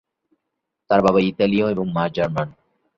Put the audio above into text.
তার বাবা ইতালীয় এবং মা জার্মান।